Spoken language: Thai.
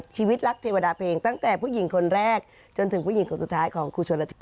ชีวิตรักเทวดาเพลงตั้งแต่ผู้หญิงคนแรกจนถึงผู้หญิงคนสุดท้ายของครูชนละ